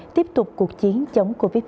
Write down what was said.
tiếp tục cuộc chiến chống covid một mươi chín